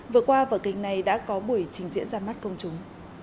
vừa qua vở kịch này đã có buổi trình diễn ra mắt công chúng